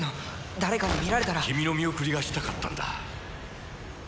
誰かに見られたら君の見送りがしたかったんだ